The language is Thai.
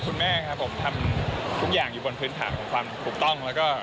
ทุกอย่างอยู่บนภูมิฐาของความถูกต้อง